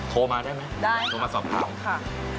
โทรมาได้ไหมได้โทรมาสอบถามค่ะ